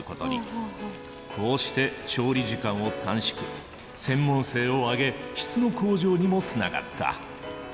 こうして調理時間を短縮専門性を上げ質の向上にもつながった。